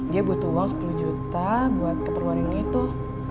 dia butuh uang sepuluh juta buat keperluan ini tuh